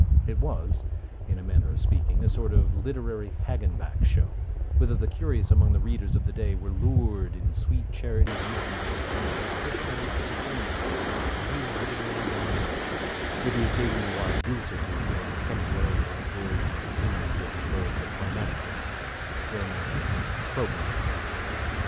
It was, in a manner of speaking, a sort of Literary Hagenbeck Show, whither the curious among the readers of the day were lured in sweet Charity's name by the promise of a personal performance by real literary lions, with an occasional wild goose or two wearing temporarily the gorgeous plumage of the Birds of Parnassus, thrown in to make the program longer.